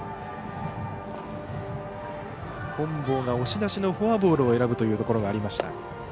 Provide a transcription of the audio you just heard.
本坊が押し出しのフォアボールを選ぶというところがありました。